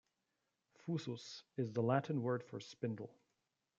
"Fusus" is the Latin word for spindle.